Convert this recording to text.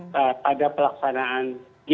pada pelaksanaan g dua puluh